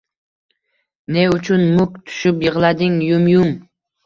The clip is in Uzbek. Ne uchun muk tushib yig‘lading yum-yum?!